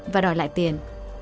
và đòi lại tiền